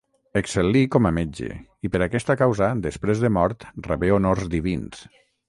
Excel·lí com a metge i, per aquesta causa, després de mort rebé honors divins.